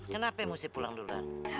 kenapa mesti pulang duluan